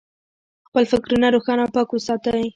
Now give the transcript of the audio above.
خپل فکرونه روښانه او پاک وساتئ.